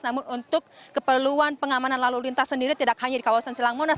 namun untuk keperluan pengamanan lalu lintas sendiri tidak hanya di kawasan silang monas